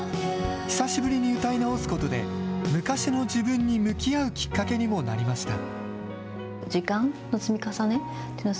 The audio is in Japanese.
久しぶりに歌い直すことで、昔の自分に向き合うきっかけにもなりました。